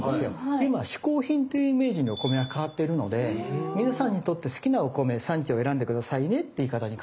で今嗜好品ってイメージにお米が変わってるので皆さんにとって好きなお米産地を選んで下さいねって言い方に変わっています。